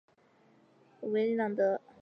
维朗德里。